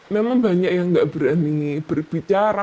memang banyak yang nggak berani berbicara